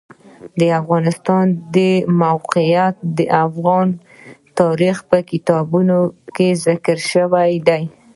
د افغانستان د موقعیت د افغان تاریخ په کتابونو کې ذکر شوی دي.